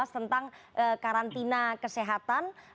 tentang karantina kesehatan